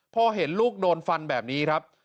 พอเห็นลูกโดนฟันแบบนี้ครับ